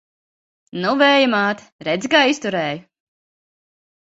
Nu, Vēja māte, redzi, kā izturēju!